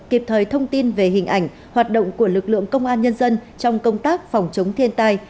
kịp thời thông tin về hình ảnh hoạt động của lực lượng công an nhân dân trong công tác phòng chống thiên tai